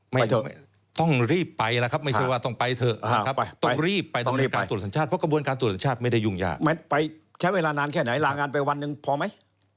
ไม่ไปใช้เวลานานแค่ไหนลางงานไปวันหนึ่งพอมัย